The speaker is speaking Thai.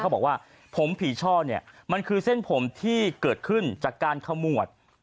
บอกว่าผมผีช่อเนี่ยมันคือเส้นผมที่เกิดขึ้นจากการขมวด